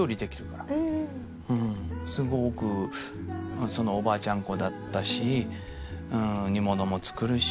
すごくおばあちゃんっ子だったし煮物も作るし。